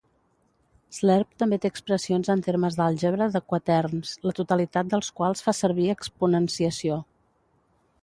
Slerp també té expressions en termes d'àlgebra de quaterns, la totalitat dels quals fa servir exponenciació.